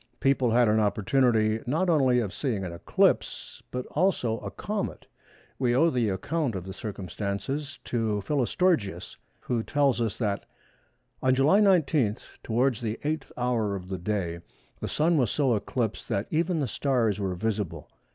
People had an opportunity not only of seeing an eclipse, but also a comet. We owe the account of the circumstances to Philostorgius, who tells us that—"On July 19, towards the 8th hour of the day, the Sun was so eclipsed, that even the stars were visible.